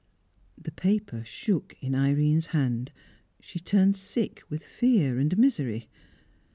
The paper shook in Irene's hand. She turned sick with fear and misery.